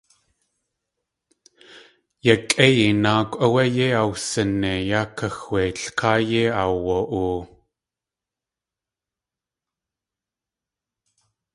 Yakʼéiyi náakw áwé yéi awsinei yá kaxweitl káa yéi aawa.oo.